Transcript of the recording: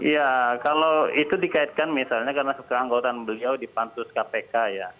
ya kalau itu dikaitkan misalnya karena keanggotaan beliau di pansus kpk ya